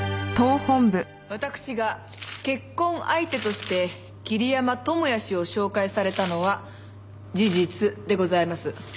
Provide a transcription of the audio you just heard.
わたくしが結婚相手として桐山友哉氏を紹介されたのは事実でございます。